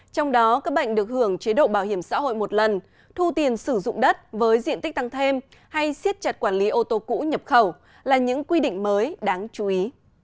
trong đó các bệnh được hưởng chế độ bảo hiểm xã hội một lần thu tiền sử dụng đất với diện tích tăng thêm hay siết chặt quản lý ô tô cũ nhập khẩu là những quy định mới đáng chú ý